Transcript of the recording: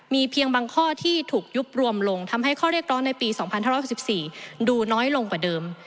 มีเพียงบางข้อที่ถูกยุบรวมลงทำให้ข้อเรียกร้องในปี๒๕๖๔ดูน้อยลงกว่าเดิม